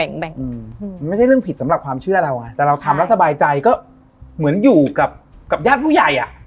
มันไม่ใช่เรื่องผิดสำหรับความเชื่อเราไงแต่เราทำแล้วสบายใจก็เหมือนอยู่กับญาติผู้ใหญ่อ่ะ